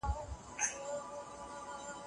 شنې سابه د وینې فشار کنټرولوي.